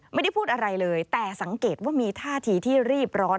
ไม่ได้พูดอะไรเลยแต่สังเกตว่ามีท่าทีที่รีบร้อน